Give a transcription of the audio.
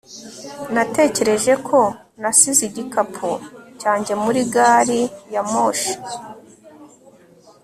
natekereje ko nasize igikapu cyanjye muri gari ya moshi